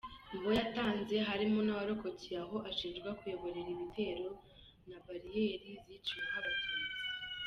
Mu bo yatanze, harimo n’uwarokokeye aho ashinjwa kuyoborera ibitero na bariyeri ziciweho Abatutsi.